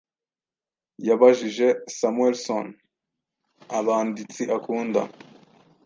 Yabajije Samuelson abanditsi akunda.